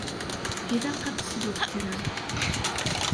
Ilaq ad tesweḍ kra.